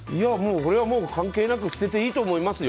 俺は、関係なく捨てていいと思いますよ。